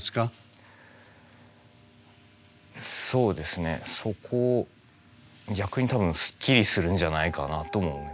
そうですねそこ逆に多分スッキリするんじゃないかなあとも思います。